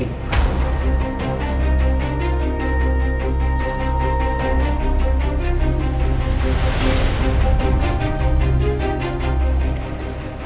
dan aku yakin